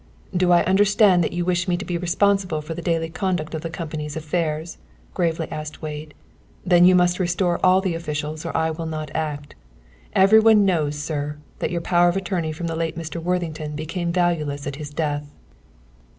"Do I understand that you wish me to be responsible for the daily conduct of the company's affairs?" gravely said Wade. "Then you must restore all the officials or I will not act! Every one knows, sir, that your power of attorney from the late Mr. Worthington became valueless at his death."